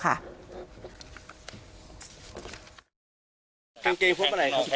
กางเกงพบไหนครับ